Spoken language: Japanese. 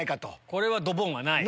これはドボンはない。